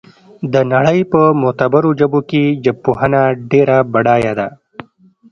د نړۍ په معتبرو ژبو کې ژبپوهنه ډېره بډایه ده